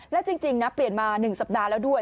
และจริงนะเปลี่ยนมา๑สัปดาห์แล้วด้วย